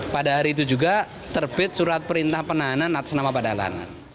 pada hari itu juga terbit surat perintah penahanan atas nama pak dalan